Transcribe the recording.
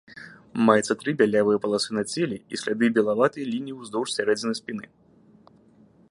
Маецца тры бялявыя паласы на целе, і сляды белаватай лініі ўздоўж сярэдзіны спіны.